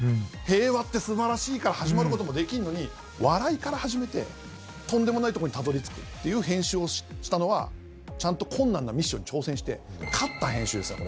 「平和って素晴らしい」から始まることもできんのに笑いから始めてとんでもないとこにたどり着くっていう編集をしたのはちゃんと困難なミッションに挑戦して勝った編集ですよ